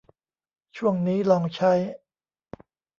ช่วงนี้ลองใช้